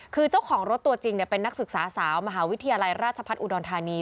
คือเจ้าของรถตัวจริงเป็นนักศึกษาสาวมหาวิทยาลัยราชพัฒน์อุดรธานี